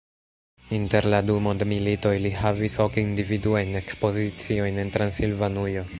Inter la du mondmilitoj li havis ok individuajn ekspoziciojn en Transilvanujo.